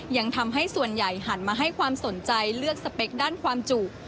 ยังทำให้ส่วนใหญ่หันมาให้ความสนใจเลือกสเปคด้านความจุ